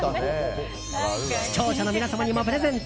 視聴者の皆様にもプレゼント！